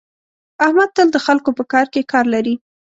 احمد تل د خلکو په کار کې کار لري.